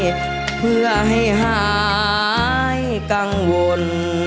เพื่อให้หายกังวล